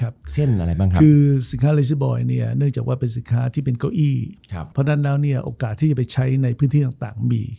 เพราะดังนั้นเนี่ยโอกาสที่จะไปใช้ในพื้นที่ต่างมี